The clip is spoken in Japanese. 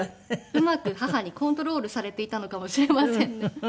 うまく母にコントロールされていたのかもしれませんね。